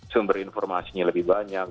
sumber informasinya lebih banyak